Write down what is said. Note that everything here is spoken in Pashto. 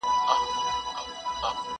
پسرلي په شپه کي راسي لکه خوب هسي تیریږي.!